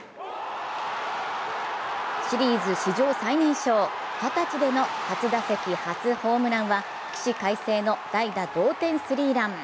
シリーズ史上最年少、二十歳での初打席・初ホームランは起死回生の代打同点スリーラン。